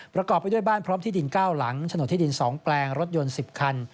ประกอบไปด้วยบ้านพร้อมที่ดิน๙หลังโฉนดที่ดิน๒แปลงรถยนต์๑๐คัน